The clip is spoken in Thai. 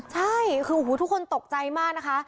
ใช่คือทุกคนตกใจมากนะคะ